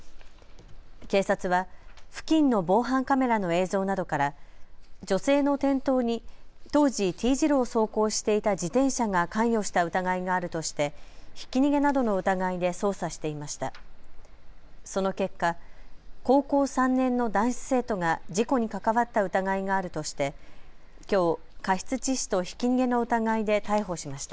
警察は付近の防犯カメラの映像などから女性の転倒に当時、Ｔ字路を走行していた自転車が関与した疑いがあるとしてひき逃げなどの疑いで捜査していました。